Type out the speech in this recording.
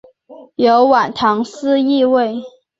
有晚唐诗意味。